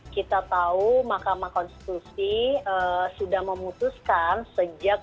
kita tahu mahkamah konstitusi sudah memutuskan sejak dua ribu lima belas